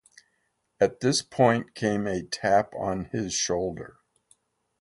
At this point came a tap on his shoulder.